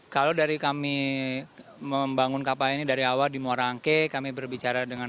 kalau dari kami membangun kapal ini dari awal di muara angke kami berbicara dengan